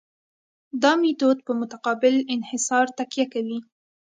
دا میتود په متقابل انحصار تکیه کوي